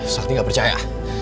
sakti tidak percaya